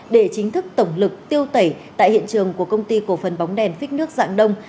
để chính thức tổng lực tiêu tẩy tại hiện trường của công ty cổ phần bóng đèn phích nước dạng đông